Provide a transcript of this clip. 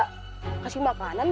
kita berikan makanan